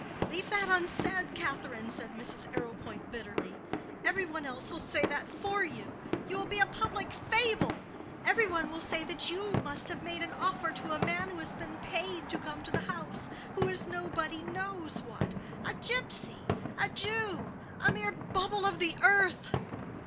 "Leave that unsaid, Catherine," said Mrs. Arrowpoint, bitterly. "Every one else will say that for you. You will be a public fable. Every one will say that you must have made an offer to a man who has been paid to come to the house—who is nobody knows what—a gypsy, a Jew, a mere bubble of the earth."